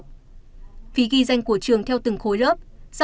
phí ghi danh của trường theo từng khóa